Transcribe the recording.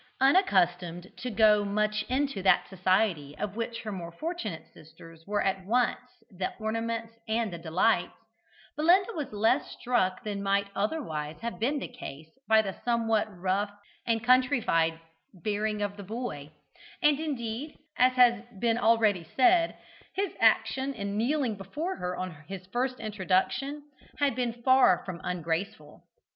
Unaccustomed to go much into that society of which her more fortunate sisters were at once the ornaments and the delights, Belinda was less struck than might otherwise have been the case by the somewhat rough and countrified bearing of the boy, and indeed, as has been already said, his action in kneeling before her on his first introduction had been far from ungraceful.